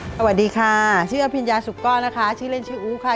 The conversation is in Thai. สวัสดีค่ะชื่ออภิญญาสุก้อนนะคะชื่อเล่นชื่ออู๋ค่ะ